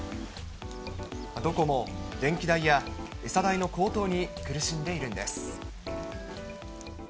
どこも電気代や餌代の高騰に苦しんでいるんです。